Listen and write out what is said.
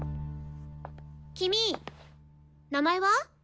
君名前は？